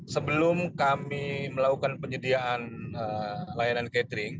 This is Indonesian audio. sebelum kami melakukan penyediaan layanan catering